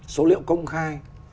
số liệu công khai